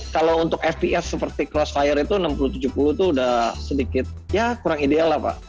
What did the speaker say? kalau untuk fps seperti crossfire itu enam puluh tujuh puluh itu udah sedikit ya kurang ideal lah pak